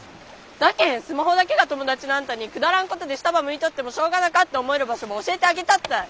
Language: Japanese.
だけんスマホだけが友だちのあんたにくだらんことで下ばむいとってもしょうがなかって思える場所ば教えてあげたったい。